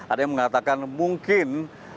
ada yang mengatakan mungkin